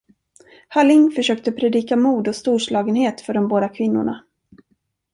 Halling försökte predika mod och storslagenhet för de båda kvinnorna.